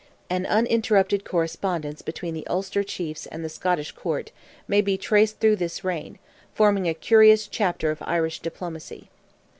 An uninterrupted correspondence between the Ulster Chiefs and the Scottish Court may be traced through this reign, forming a curious chapter of Irish diplomacy.